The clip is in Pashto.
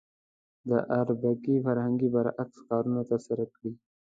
د اربکي فرهنګ برعکس کارونه ترسره کړي.